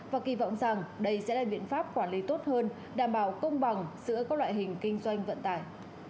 và kỳ vọng rằng đây sẽ là biện pháp quản lý tốt hơn đảm bảo công bằng giữa các loại hình kinh doanh vận tải